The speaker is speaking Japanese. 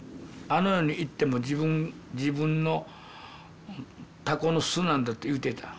あの世に行っても自分のタコの巣なんだと言うてた。